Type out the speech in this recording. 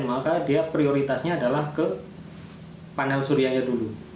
maka dia prioritasnya adalah ke panel suryanya dulu